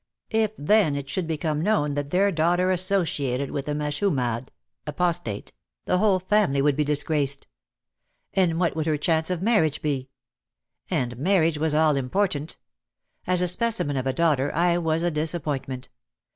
If, then, it should become known that their daughter associated with a "meshumad ,, (apostate), the whole family would be disgraced. And what would her chance of marriage be ! And marriage was all important. As a specimen of a daughter I was a disappointment.